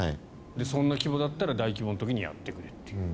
そんな規模だったら大規模の時にやってくれと。